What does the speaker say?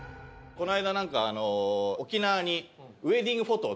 この間なんか沖縄にウェディングフォトを撮りに。